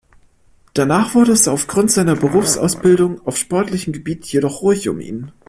Danach wurde es aufgrund seiner Berufsausbildung auf sportlichem Gebiet jedoch ruhig um ihn.